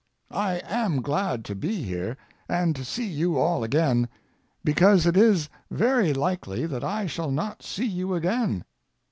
I am glad to be here, and to see you all again, because it is very likely that I shall not see you again.